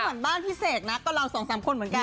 ถอนบ้านพิเศษนะก็ลอง๒๓คนเหมือนกัน